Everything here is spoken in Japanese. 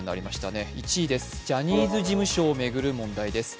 ジャニーズ事務所を巡る問題です。